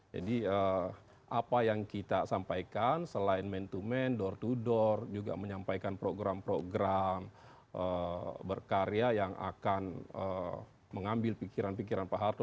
apa yang kita sampaikan selain man to man door to door juga menyampaikan program program berkarya yang akan mengambil pikiran pikiran pak harto